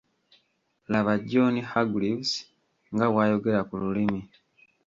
Laba John Hargreaves nga bw'ayogera ku lulimi.